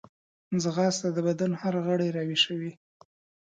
ځغاسته د بدن هر غړی راویښوي